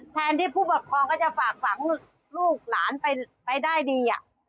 แทนที่ผู้ปกครองก็จะฝากฝังลูกหลานไปได้ดี